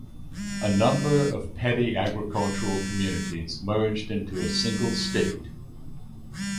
A number of petty agricultural communities merged into a single state.